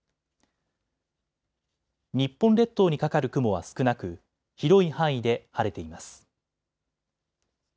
日本列島にかかる雲は少なく広い範囲で晴れています。